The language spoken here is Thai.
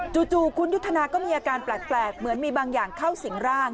จู่คุณยุทธนาก็มีอาการแปลกเหมือนมีบางอย่างเข้าสิงร่าง